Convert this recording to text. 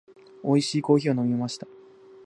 美味しいコーヒーを飲みました。